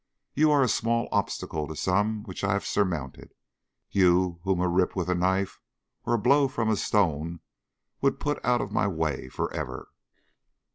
You are a small obstacle to some which I have surmounted you, whom a rip with a knife, or a blow from a stone, would put out of my way for ever.